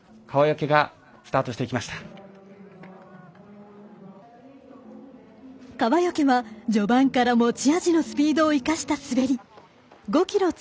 川除は序盤から持ち味のスピードを生かした滑り。